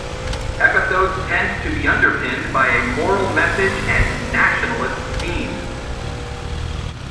Episodes tend to be underpinned by a moral message and nationalist themes.